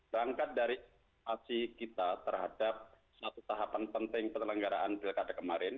berangkat dari aksi kita terhadap satu tahapan penting penyelenggaraan pilkada kemarin